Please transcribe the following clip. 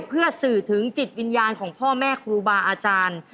เพื่อสื่อถึงจิตวิญญาณของพ่อแม่ครูบาอาจารย์